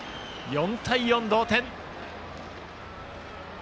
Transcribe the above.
４対４、同点。